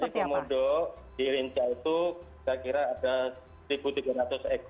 jadi komodo di rinca itu kira kira ada seribu tiga ratus hektare